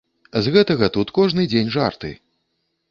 З гэтага тут кожны дзень жарты.